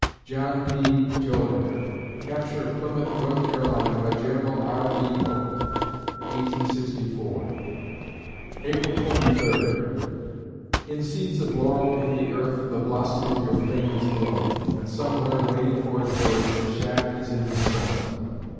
JOHN P. SJOLANDER Capture of Plymouth, N. C., by Gen. R. D. Hoke, 1864 April Twenty Third In seeds of laurel in the earth The blossom of your fame is blown; And somewhere, waiting for its birth, The shaft is in the stone!